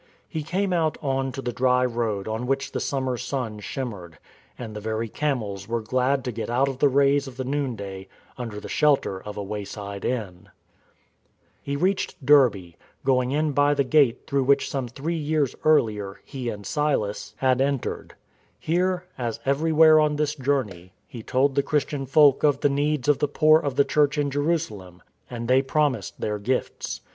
He came out on to the dry road on which the sum mer sun shimmered, and the very camels were glad to get out of the rays of the noonday under the shelter of a wayside inn. He reached Derbe, going in by the gate through which some three years earlier he and Silas had HE WOULD TALK P.V THE WAYSIDE WITH THE LEADERS OF THE CAMEL CARAVANS" "LONE ON THE LAND" 245 entered. Here — as everywhere on this journey — he told the Christian folk of the needs of the poor of the church in Jerusalem; and they promised their gifts.